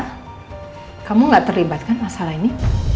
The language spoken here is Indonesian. sah kamu gak terlibat kan masalah ini